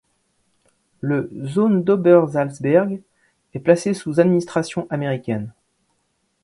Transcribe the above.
Le zone d’Obersalzberg est placée sous administration américaine.